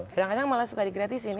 kadang kadang malah suka di gratisin ya